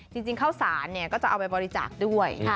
จริงข้าวสารก็จะเอาไปบริจาคด้วย